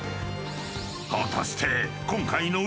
［果たして今回の］